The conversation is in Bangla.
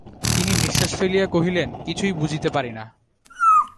তিনি নিশ্বাস ফেলিয়া কহিলেন, কিছুই বুঝিতে পারি না।